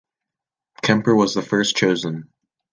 Kemper was the first chosen.